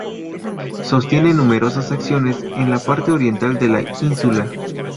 Sostiene numerosas acciones en la parte oriental de la ínsula.